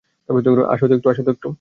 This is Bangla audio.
আসো তো একটু।